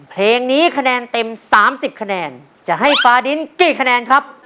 เพลงนี้คะแนนเต็ม๓๐คะแนนจะให้ฟ้าดินกี่คะแนนครับ